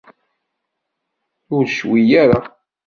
Ur cwi ara.